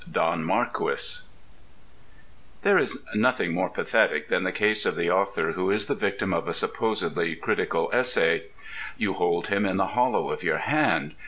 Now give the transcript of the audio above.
DON MARQUIS There is nothing more pathetic than the case of the author who is the victim of a supposedly critical essay. You hold him in the hollow of your hand.